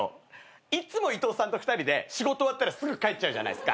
いつも伊藤さんと２人で仕事終わったらすぐ帰っちゃうじゃないですか。